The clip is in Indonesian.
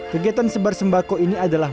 kegiatan sebar sembako ini adalah